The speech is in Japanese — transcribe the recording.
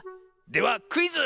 ではクイズ！